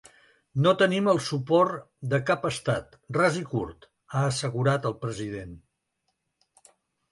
No tenim el suport de cap estat, ras i curt, ha assegurat el president.